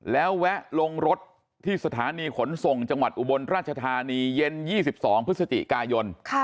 แล้วแวะลงรถที่สถานีขนส่งจังหวัดอุบลราชธานีเย็น๒๒พฤศจิกายน